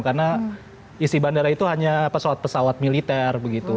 karena isi bandara itu hanya pesawat pesawat militer begitu